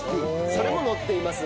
それも載っていますので。